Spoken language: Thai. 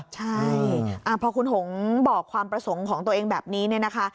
ใช่พอคุณหงบอกความประสงค์ของตัวเองแบบนี้เนี่ยนะคะ